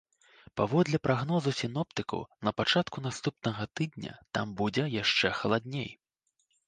Паводле прагнозу сіноптыкаў, на пачатку наступнага тыдня там будзе яшчэ халадней.